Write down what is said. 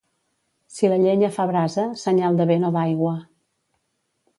Si la llenya fa brasa, senyal de vent o d'aigua.